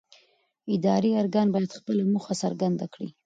اداري ارګان باید خپله موخه څرګنده کړي.